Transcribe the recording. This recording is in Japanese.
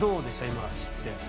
今知って。